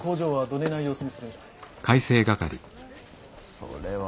それは。